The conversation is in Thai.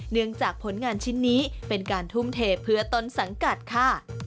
จากผลงานชิ้นนี้เป็นการทุ่มเทเพื่อต้นสังกัดค่ะ